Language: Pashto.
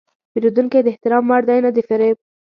پیرودونکی د احترام وړ دی، نه د فریب.